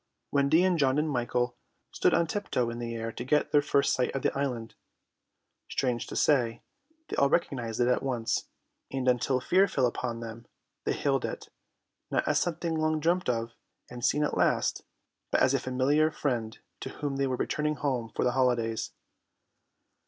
Wendy and John and Michael stood on tip toe in the air to get their first sight of the island. Strange to say, they all recognized it at once, and until fear fell upon them they hailed it, not as something long dreamt of and seen at last, but as a familiar friend to whom they were returning home for the holidays.